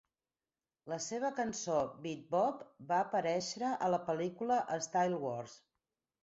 La seva cançó "Beat Bop" va aparèixer a la pel·lícula "Style Wars".